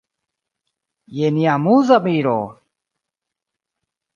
Je nia amuza miro!